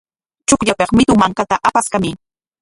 Chukllapik mitu mankata apaskamuy.